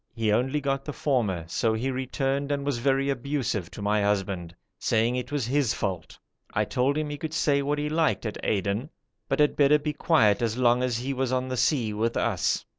He only got the former, so he returned and was very abusive to my husband, saying it was his fault; I told him he could say what he liked at Aden, but had better be quiet as long as he was on the sea with us.